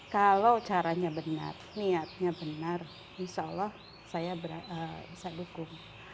kalau caranya benar niatnya benar insya allah saya bisa dukung